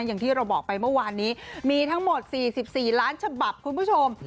อย่างที่เราบอกไปเมื่อวานนี้มีทั้งหมด๔๔ล้านฉบับคุณผู้ชม